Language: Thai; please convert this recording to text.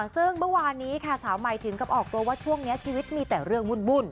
ซึ่งเมื่อวานนี้ค่ะสาวใหม่ถึงกับออกตัวว่าช่วงนี้ชีวิตมีแต่เรื่องวุ่น